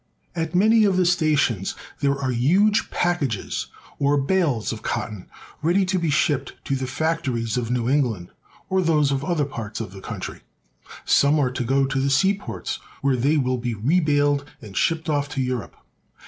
At many of the stations there are huge packages or bales of cotton ready to be shipped to the factories of New England or those of other parts of the country. Some are to go to the seaports, where they will be rebaled and shipped off to Europe.